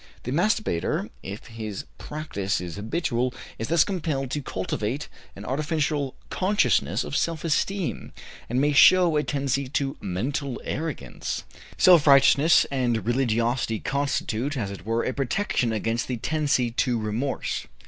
The masturbator, if his practice is habitual, is thus compelled to cultivate an artificial consciousness of self esteem, and may show a tendency to mental arrogance. Self righteousness and religiosity constitute, as it were, a protection against the tendency to remorse.